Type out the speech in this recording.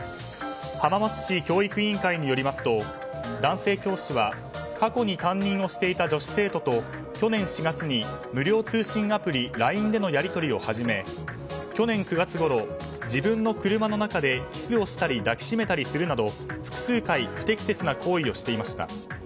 浜松市教育委員会によりますと男性教師は過去に担任をしていた女子生徒と去年４月に無料通信アプリＬＩＮＥでのやり取りを始め去年９月ごろ自分の車の中でキスをしたり抱きしめたりするなど複数回不適切な行為をしていました。